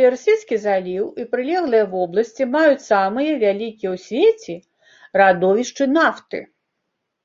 Персідскі заліў і прылеглыя вобласці маюць самыя вялікія ў свеце радовішчы нафты.